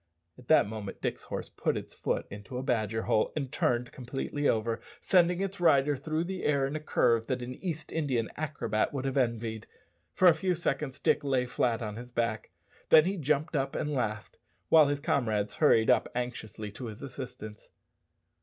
At that moment Dick's horse put its foot into a badger hole and turned completely over, sending its rider through the air in a curve that an East Indian acrobat would have envied. For a few seconds Dick lay flat on his back, then he jumped up and laughed, while his comrades hurried up anxiously to his assistance.